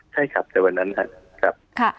ใช่ครับแต่วันนั้นครับ